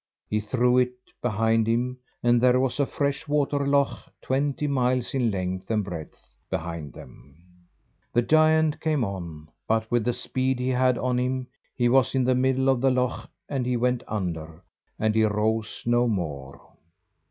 He threw it behind him and there was a fresh water loch, twenty miles in length and breadth, behind them. The giant came on, but with the speed he had on him, he was in the middle of the loch, and he went under, and he rose no more.